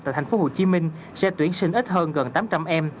tại tp hcm sẽ tuyển sinh ít hơn gần tám trăm linh em